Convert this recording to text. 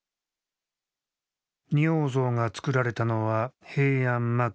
仁王像がつくられたのは平安末期。